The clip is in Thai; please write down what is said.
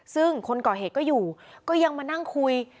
ซึ่งคนก่อเหตุก็อยู่ก็ยังมานั่งคุย